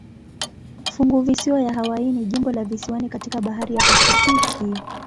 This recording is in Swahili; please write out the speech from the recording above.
Funguvisiwa ya Hawaii ni jimbo la visiwani katika bahari ya Pasifiki.